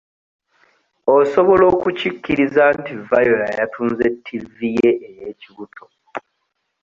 Osobola okukikkiriza nti viola yatunze ttivi ye ey'ekibuto.